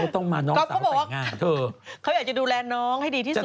ต้องมาน้องสาวแต่งงานเธอเขาอยากจะดูแลน้องให้ดีที่สุด